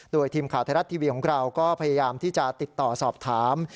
โดยทีมข่าวไทยรัฐทีวีของเราก็พยายามที่จะติดต่อสอบถาม